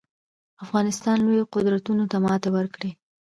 افغانستان لویو قدرتونو ته ماتې ورکړي